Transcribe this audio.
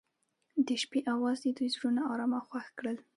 د شپه اواز د دوی زړونه ارامه او خوښ کړل.